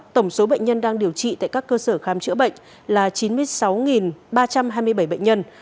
tổng số bệnh nhân đang điều trị tại các cơ sở khám chữa bệnh là chín mươi sáu ba trăm hai mươi bảy bệnh nhân